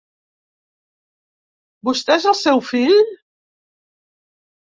Vostè és el seu fill?